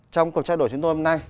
trong cuộc trao đổi chúng tôi hôm nay